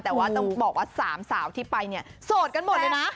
แต่ว่าต้องบอกว่า๓สาวที่ไปเนี่ยโสดกันหมดเลยนะ